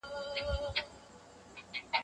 باید په ګرمۍ کې له ډېرو سړو اوبو څښلو ډډه وشي.